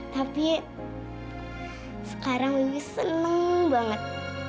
tapi sekarang ini seneng banget